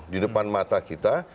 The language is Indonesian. di depan mata kita